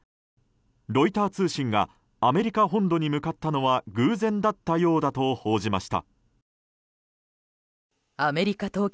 ロイター通信がアメリカ本土に向かったのは偶然だったようだと報じました。